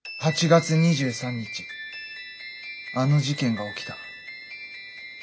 ８月２３日あの事件が起きた。